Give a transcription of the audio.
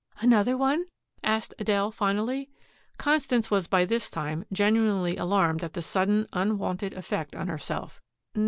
"Another one?" asked Adele finally. Constance was by this time genuinely alarmed at the sudden unwonted effect on herself.